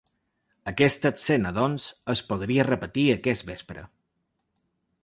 Aquesta escena doncs, es podria repetir aquest vespre.